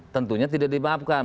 tentunya tidak dimaafkan